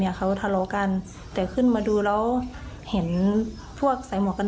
เขาทะเลาะกันแต่ขึ้นมาดูแล้วเห็นพวกใส่หมวกกัน